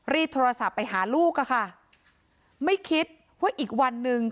โทรศัพท์ไปหาลูกอะค่ะไม่คิดว่าอีกวันหนึ่ง